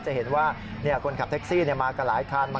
จะเห็นว่าคนขับแท็กซี่มากันหลายคัน